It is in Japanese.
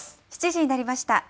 ７時になりました。